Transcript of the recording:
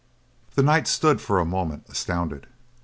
The knight stood for a moment astounded.